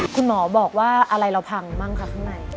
คุณหมอบอกว่าอะไรเราพังบ้างคะข้างใน